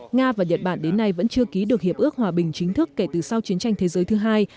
nga và nhật bản đến nay vẫn chưa ký được hiệp ước hòa bình chính thức kể từ sau chiến tranh thế giới thứ hai